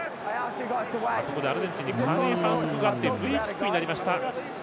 ここでアルゼンチンに反則があってフリーキックになりました。